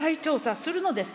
再調査するのですか。